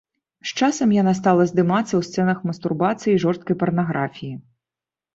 З часам яна стала здымацца ў сцэнах мастурбацыі і жорсткай парнаграфіі.